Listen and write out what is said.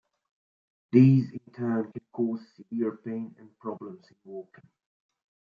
These in turn can cause severe pain and problems in walking.